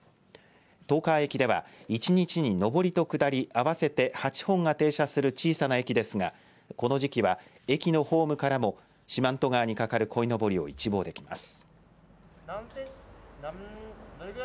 十川駅では一日に上りと下り合わせて８本が停車する小さな駅ですがこの時期は駅のホームからも四万十川に架かるこいのぼりを一望できます。